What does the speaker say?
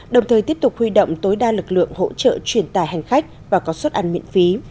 đồng thời tiếp tục huy động tối đa lực lượng hỗ trợ truyền tài hành khách và có suất ăn miễn phí